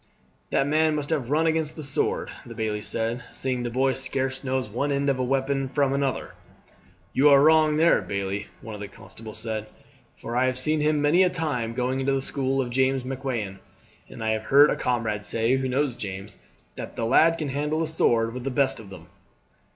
"The man must have run against the sword," the bailie said, "seeing the boy scarce knows one end of a weapon from another." "You are wrong there, bailie," one of the constables said; "for I have seen him many a time going into the school of James Macklewain, and I have heard a comrade say, who knows James, that the lad can handle a sword with the best of them."